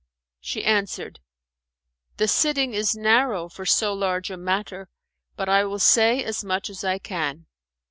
She answered, "The sitting is narrow for so large a matter, but I will say as much as I can.